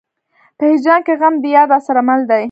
په هجران کې غم د يار راسره مل دی.